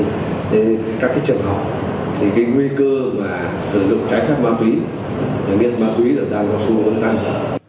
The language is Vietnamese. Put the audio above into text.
nghiên ma túy là đang có xu hướng tăng